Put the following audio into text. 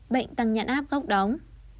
bệnh tăng nhãn áp góc đóng